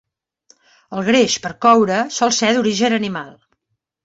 El greix per coure sol ser d'origen animal.